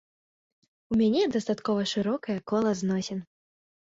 У мяне дастаткова шырокае кола зносін.